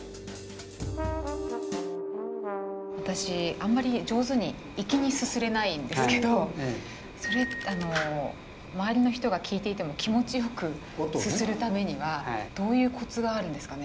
あんまり上手に粋にすすれないんですけどそれ周りの人が聞いていても気持ちよくすするためにはどういうコツがあるんですかね？